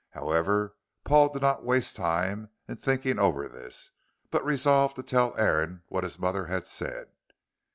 However, Paul did not waste time in thinking over this, but resolved to tell Aaron what his mother had said.